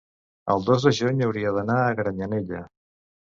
el dos de juny hauria d'anar a Granyanella.